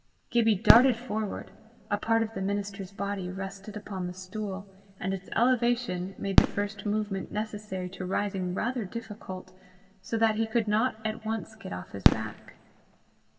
Gibbie darted forward. A part of the minister's body rested upon the stool, and its elevation, made the first movement necessary to rising rather difficult, so that he could not at once get off his back.